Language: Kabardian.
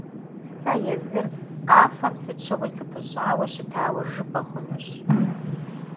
Сэ езыр къафэм сыт щыгъуи сыпыщӀауэ щытауэ жыпӀэ хъунущ.